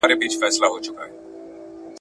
په تیاره کي ټکهار سي پلټن راسي د ښکاریانو ..